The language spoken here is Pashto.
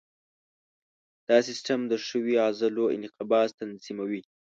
دا سیستم د ښویو عضلو انقباض تنظیموي.